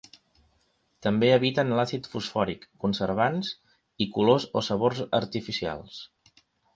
També eviten l'àcid fosfòric, conservants, i colors o sabors artificials.